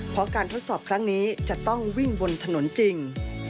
เพราะการทดสอบครั้งนี้จะต้องวิ่งบนถนนจริง